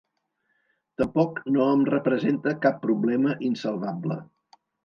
Tampoc no em representa cap problema insalvable.